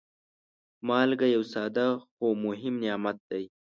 مالګه یو ساده، خو مهم نعمت دی.